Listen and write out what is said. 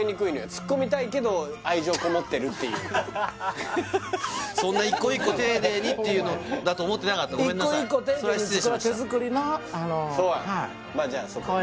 ツッコミたいけど愛情こもってるっていうそんな一個一個丁寧にっていうのだと思ってなかったごめんなさいそれは失礼しましたそうなの？